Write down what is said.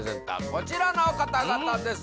こちらの方々です